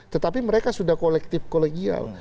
tetapi mereka sudah kolektif kolegial